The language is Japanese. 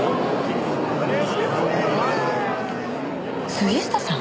杉下さん！？